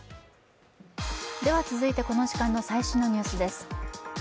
続いて、この時間の最新のニュースです。